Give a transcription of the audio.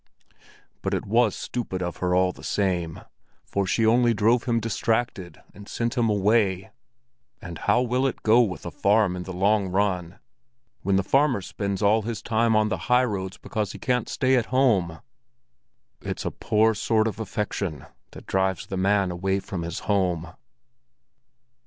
But it was stupid of her all the same, for she only drove him distracted and sent him away. And how will it go with a farm in the long run, when the farmer spends all his time on the high roads because he can't stay at home? It's a poor sort of affection that drives the man away from his home."